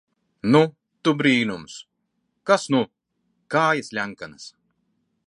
Nu, tu brīnums! Kas nu! Kājas ļenkanas...